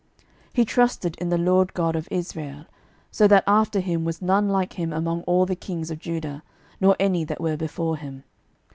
12:018:005 He trusted in the LORD God of Israel; so that after him was none like him among all the kings of Judah, nor any that were before him.